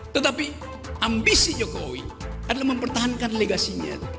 tetapi ambisi jokowi adalah mempertahankan legasinya